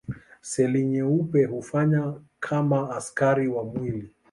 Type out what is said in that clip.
Seli nyeupe hufanya kama askari wa mwili.